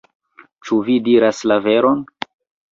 Ĉu vi diras la veron?